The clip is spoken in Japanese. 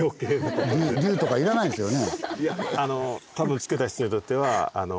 竜とか要らないですよね。